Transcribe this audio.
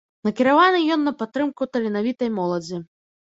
Накіраваны ён на падтрымку таленавітай моладзі.